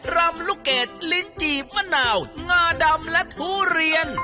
รำลูกเกดลิ้นจีบมะนาวงาดำและทุเรียน